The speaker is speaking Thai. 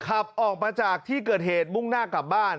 ขับออกมาจากที่เกิดเหตุมุ่งหน้ากลับบ้าน